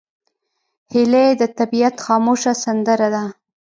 هیلۍ د طبیعت خاموشه سندره ده